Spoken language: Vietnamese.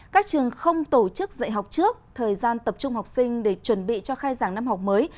các trường không tổ chức dạy học trước thời gian tập trung học sinh để chuẩn bị cho khai giảng năm học mới